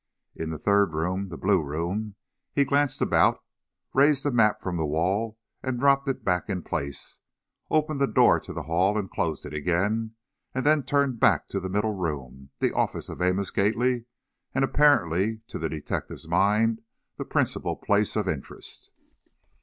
In the third room, the Blue Room, he glanced about, raised the map from the wall, and dropped it back in place, opened the door to the hall, and closed it again, and then turned back to the middle room, the office of Amos Gately, and apparently, to the detective's mind, the principal place of interest.